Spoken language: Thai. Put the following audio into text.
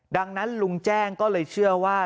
ดังนั้นลุงแจ้งก็เลยเชื่อว่า